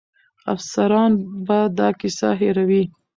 افسران به دا کیسه هېروي.